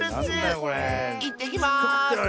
いってきます！